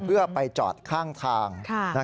เพื่อไปจอดข้างทาง